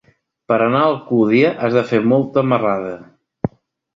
Per anar a Alcúdia has de fer molta marrada.